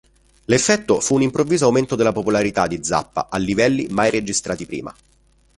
L'effetto fu un improvviso aumento della popolarità di Zappa a livelli mai registrati prima.